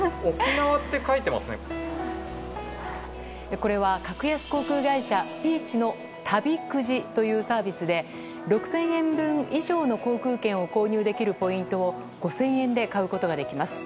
これは格安航空会社ピーチの旅くじというサービスで６０００円分以上の航空券を購入できるポイントを５０００円で買うことができます。